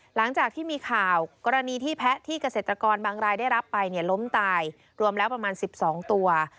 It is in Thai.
หลังจากที่มีข่าวกรณีที่แพะที่เกษตรกรบางรายได้รับไปเนี่ยล้มตายรวมแล้วประมาณ๑๒ตัว